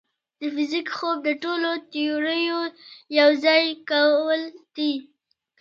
د فزیک خوب د ټولو تیوريو یوځای کول دي.